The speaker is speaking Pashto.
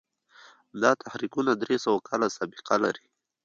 دا تحریکونه درې سوه کاله سابقه لري.